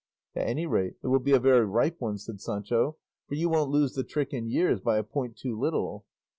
"At any rate, it will be a very ripe one," said Sancho, "for you won't lose the trick in years by a point too little."